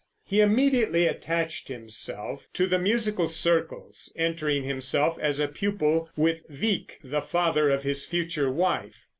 He immediately attached himself to the musical circles, entering himself as a pupil with Wieck, the father of his future wife.